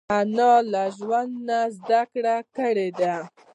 انا له ژوند نه زده کړې کړې دي